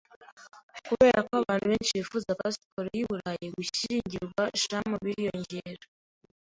Kuberako abantu benshi bifuza pasiporo yu Burayi, gushyingirwa sham biriyongera.